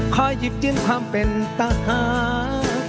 ขยิบจิ้งความเป็นตาหาง